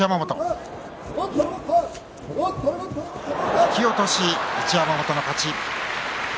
引き落とし、一山本の勝ち。